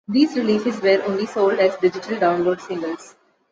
These releases were only sold as digital download singles.